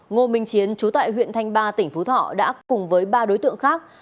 ngô minh chiến trú tại huyện thanh ba tp hcm đã cùng với ba đối tượng khác